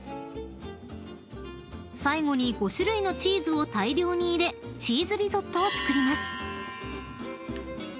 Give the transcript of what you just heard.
［最後に５種類のチーズを大量に入れチーズリゾットを作ります］